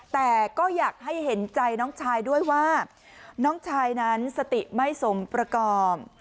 แต่ก็อยากให้เห็นใจน้องชายด้วยว่าน้องชายนั้นสติไม่สมประกอบ